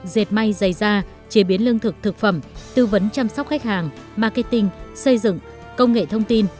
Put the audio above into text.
dệt may dày da chế biến lương thực thực phẩm tư vấn chăm sóc khách hàng marketing xây dựng công nghệ thông tin